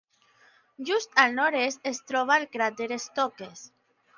Just al nord-oest es troba el cràter Stokes.